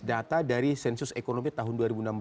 data dari sensus ekonomi tahun dua ribu enam belas